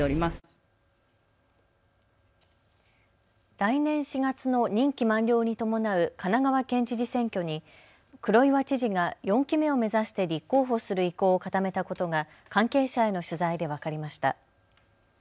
来年４月の任期満了に伴う神奈川県知事選挙に黒岩知事が４期目を目指して立候補する意向を固めたことが関係者への取材で分かりました。